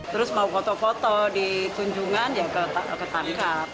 terus mau foto foto di tunjungan ya ketangkap